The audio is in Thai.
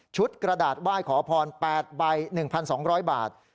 กระดาษไหว้ขอพร๘ใบ๑๒๐๐บาท